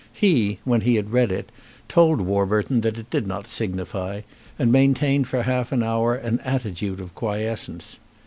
He, when he had read it, told Warburton that it did not signify, and maintained for half an hour an attitude of quiescence.